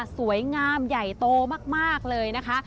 สวยงามใหญ่โตมากเลยนะคะ